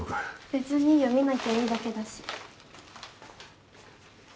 別にいいよ見なきゃいいだけだし。